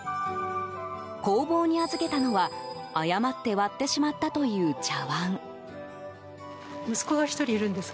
工房に預けたのは、誤って割ってしまったという茶碗。